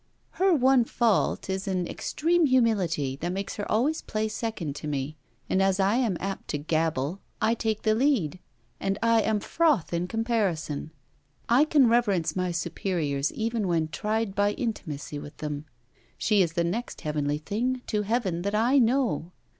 'Her one fault is an extreme humility that makes her always play second to me; and as I am apt to gabble, I take the lead; and I am froth in comparison. I can reverence my superiors even when tried by intimacy with them. She is the next heavenly thing to heaven that I know.